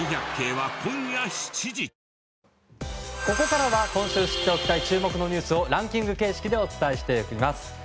ここからは今週知っておきたい注目のニュースをランキング形式でお伝えしていきます。